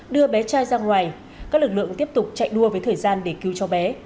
đưa bé trai ra ngoài các lực lượng tiếp tục chạy đua với thời gian để cứu cho bé